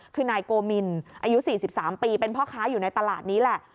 คือนายโกมินอายุ๔๓ปีเป็นพ่อค้าอยู่ในตลาดนี้แหละ